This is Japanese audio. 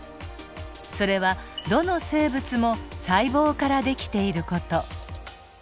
それはどの生物も細胞から出来ている事。